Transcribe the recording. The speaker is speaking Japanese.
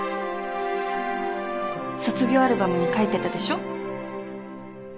卒業アルバムに書いてたでしょ？